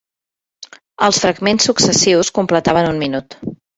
Els fragments successius completaven un minut.